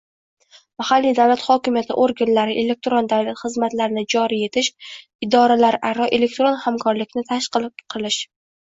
Mahalliy davlat hokimiyati organlari elektron davlat xizmatlarini joriy etish, idoralararo elektron hamkorlikni tashkil qilish